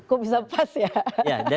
kok bisa pas ya